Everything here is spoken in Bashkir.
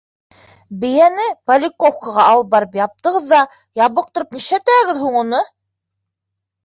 — Бейәне Поляковкаға алып барып яптығыҙ ҙа, ябыҡтырып нишләтәһегеҙ һуң уны?